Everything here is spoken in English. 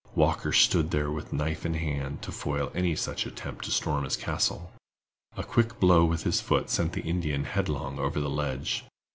Walker stood there with knife in hand, to foil any such attempt to storm his castle. A quick blow with his foot sent the Indian headlong over the ledge.